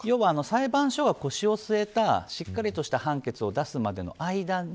裁判所が腰を据えたしっかりとした判決を出すまでの間に